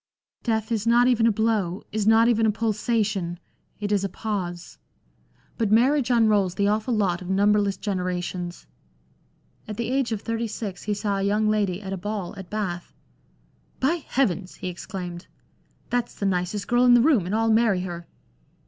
... Death is not even a blow, is not even a pulsation ; it is a pause. But marriage unrolls the awful lot of numberless genera tions." At the age of thirty six he saw a young lady at a ball at Bath. " By heavens !" he exclaimed, " that's the nicest girl in the room, and I'll marry her."